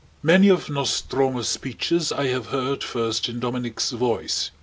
Many of Nostromo's speeches I have heard first in Dominic's voice.